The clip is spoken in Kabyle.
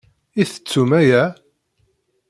I tettum aya?